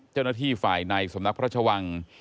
เจ้าหน้าที่ฝ่ายในสำนักพระชวัง